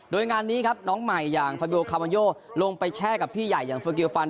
โดยงานนี้ครับน้องใหม่อย่างลงไปแช่กับพี่ใหญ่อย่าง